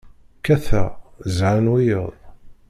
Kkateɣ, zhan wiyaḍ.